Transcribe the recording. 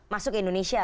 masuk ke indonesia